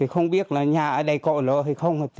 không biết nhà ở đây có lỡ hay không